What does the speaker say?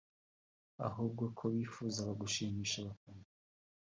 ahubwo ko bifuzaga gushimisha abafana